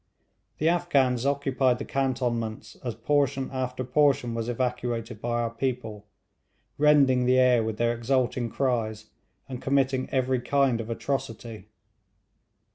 The Afghans occupied the cantonments as portion after portion was evacuated by our people, rending the air with their exulting cries, and committing every kind of atrocity.